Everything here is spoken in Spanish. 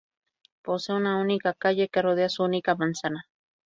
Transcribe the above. Posee una única calle que rodea su única manzana.